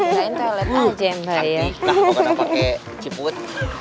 nanti nah aku bakal pake ciput